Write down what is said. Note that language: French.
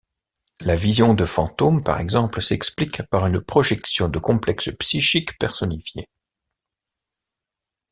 La vision de fantôme par exemple s'explique par une projection de complexes psychiques personnifiés.